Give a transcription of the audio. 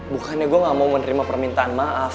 bukannya gue gak mau menerima permintaan maaf